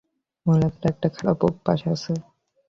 মহিলাদের একটা খারাপ অভ্যাস আছে।